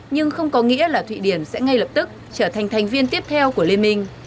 nhưng không có nghĩa là thụy điển sẽ ngay lập tức trở thành thành viên tiếp theo của liên minh